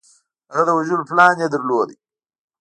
هغه د وژلو پلان یې درلود